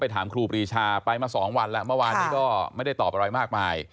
ที่ก็ไม่ได้ตอบอะไรมากไป